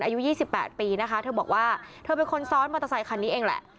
อายุ๒๘ปีนะคะเธอบอกว่าเธอเป็นคนซ้อนมอเตอร์ไซคันนี้เองแหละ